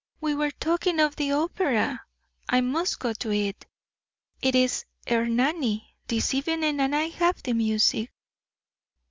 We were talking of the opera I must go to it. It is 'Ernani' this evening, and I have the music."